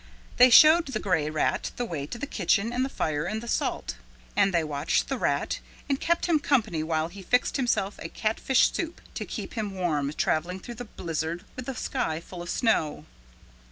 They showed the gray rat the way to the kitchen and the fire and the salt. And they watched the rat and kept him company while he fixed himself a catfish soup to keep him warm traveling through the blizzard with the sky full of snow.